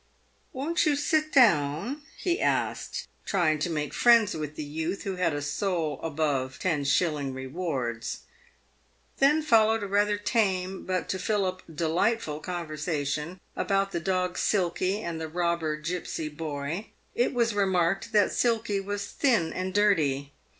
" "Won't you sit down ?" he asked, trying to make friends with the youth who had a soul above ten shilling rewards. Then followed a rather tame, but, to Philip, a delightful conversa tion about the dog Silky and the robber gipsy boy. It was remarked that Silky was thin and dirty.